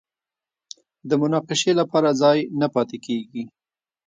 د مناقشې لپاره ځای نه پاتې کېږي